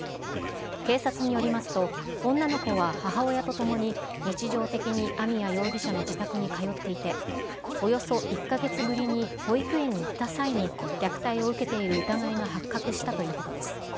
警察によりますと、女の子は母親とともに、日常的に網谷容疑者の自宅に通っていて、およそ１か月ぶりに保育園に行った際に、虐待を受けている疑いが発覚したということです。